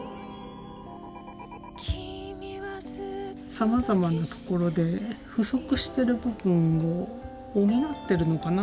さまざまなところで不足している部分を補ってるのかなっていう気もしますね。